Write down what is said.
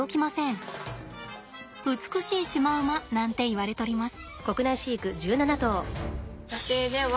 美しいシマウマなんていわれとります。